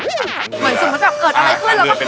เหมือนสมมุติว่าแบบเกิดอะไรขึ้นแล้วผม